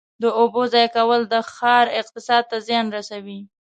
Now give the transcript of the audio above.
د اوبو ضایع کول د ښار اقتصاد ته زیان رسوي.